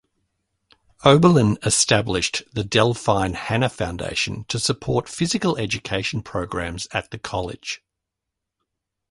Oberlin established the Delphine Hanna Foundation to support physical education programs at the college.